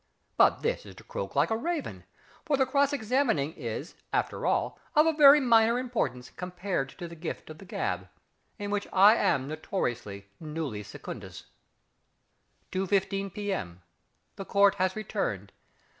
But this is to croak like a raven, for the cross examining is, after all, of very minor importance compared to the Gift of the Gab in which I am notoriously nulli secundus. 2.15 P.M. The Court has returned.